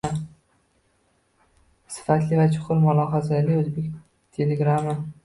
Sifatli va chuqur mulohazali oʻzbek telegrami